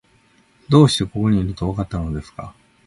どうしてここにいると、わかったのですか？